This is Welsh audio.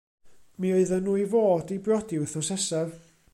Mi oedden nhw i fod i briodi wythnos nesaf.